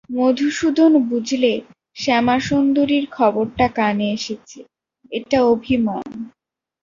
মধুসূদন বুঝলে শ্যামাসুন্দরীর খবরটা কানে এসেছে, এটা অভিমান।